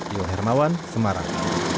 ilham hermawan semarang